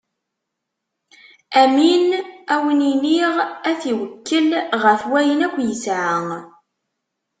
Amin, ad wen-iniɣ: ad t-iwekkel ɣef wayen akk yesɛa.